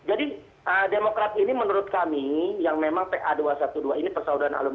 jadi demokrat ini menurut kami yang memang pa dua ratus dua belas ini persaudaraan alam dua puluh satu